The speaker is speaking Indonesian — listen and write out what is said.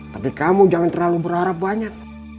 tapi kamu jangan terlalu berharap banyak